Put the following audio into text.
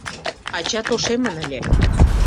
Ачат ошемын ыле.